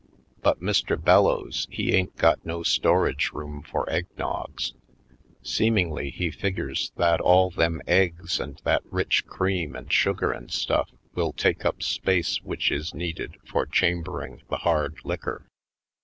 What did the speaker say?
But Mr. Bellows he ain't got no storage room for egg nogs. Seemingly he figures that all them eggs and that rich cream and sugar and stuff will take up space which is needed for chambering the hard liquor.